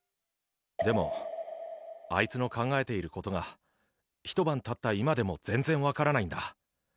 でも、あいつの考えていることが、ひと晩たった今でも全然分からないんだ。